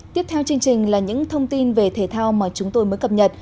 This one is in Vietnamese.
tiếp theo chương trình là những thông tin về thể thao mà chúng tôi mới cập nhật